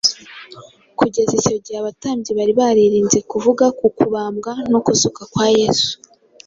Kugeza icyo gihe abatambyi bari baririnze kuvuga ku kubambwa no kuzuka kwa Yesu.